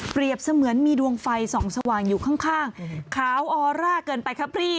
เสมือนมีดวงไฟส่องสว่างอยู่ข้างขาวออร่าเกินไปครับพี่